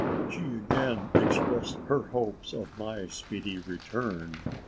She again expressed her hopes of my speedy return.